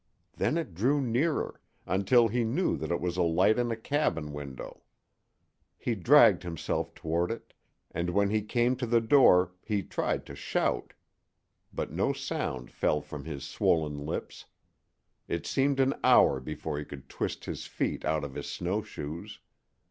Then it drew nearer, until he knew that it was a light in a cabin window. He dragged himself toward it, and when he came to the door he tried to shout. But no sound fell from his swollen lips. It seemed an hour before he could twist his feet out of his snow shoes.